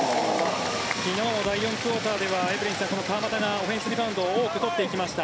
昨日、第４クオーターでは川真田がこの川真田がオフェンスリバウンドを取っていきました。